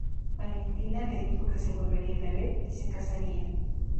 Valentina le dijo que se volverían a ver, y se casarían.